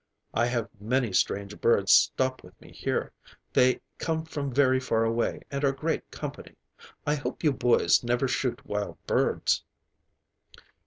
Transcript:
"I have many strange birds stop with me here. They come from very far away and are great company. I hope you boys never shoot wild birds?"